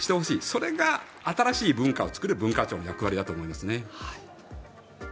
それが新しい文化を作る文化庁の役割だと思いますね。